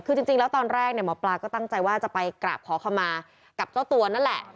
คือจริงแล้วตอนแรกเนี่ยหมอปลาก็ตั้งใจว่าจะไปกราบขอขมากับเจ้าตัวนั่นแหละ